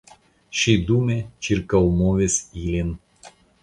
Ŝi dume ĉirkaŭmovis ilin.